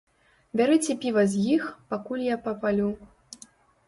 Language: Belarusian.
Бярыце піва з іх, пакуль я папалю.